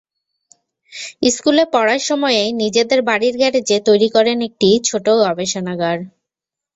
স্কুলে পড়ার সময়েই নিজেদের বাড়ির গ্যারেজে তৈরি করেন একটি ছোট গবেষণাগার।